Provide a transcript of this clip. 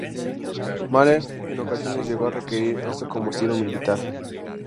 Mahler en ocasiones llegó a requerir esto como "estilo militar".